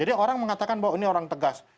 jadi orang mengatakan bahwa ini orang tegas